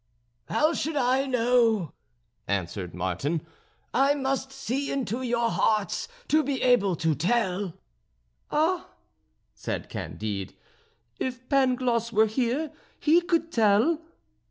"How should I know!" answered Martin. "I must see into your hearts to be able to tell." "Ah!" said Candide, "if Pangloss were here, he could tell."